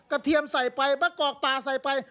เทียมใส่ไปมะกอกปลาใส่ไป